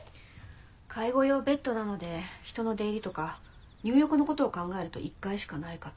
介護用ベッドなので人の出入りとか入浴の事を考えると１階しかないかと。